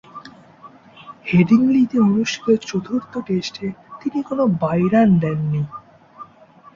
হেডিংলিতে অনুষ্ঠিত চতুর্থ টেস্টে তিনি কোন বাই রান দেননি।